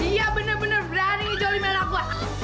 dia benar benar berani ngejolimanku